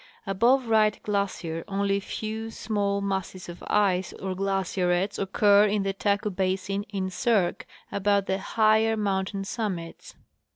Above Wright glacier only a few; small masses of ice or glacierets occur in the Taku basin in cirques about the higher mountain summits.